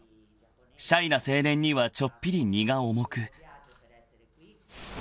［シャイな青年にはちょっぴり荷が重く］